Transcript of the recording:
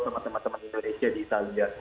sama teman teman indonesia di italia